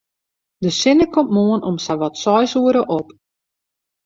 De sinne komt moarn om sawat seis oere op.